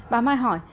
bà mai hỏi